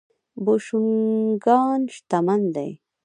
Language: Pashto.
بوشونګان شتمن دي.